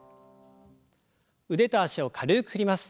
腕と脚を軽く振ります。